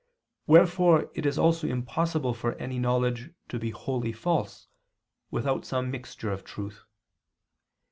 Wherefore it is also impossible for any knowledge to be wholly false, without some mixture of truth.